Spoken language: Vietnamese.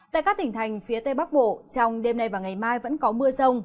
tại các tỉnh thành phía tây bắc bộ trong đêm nay và ngày mai vẫn có mưa rông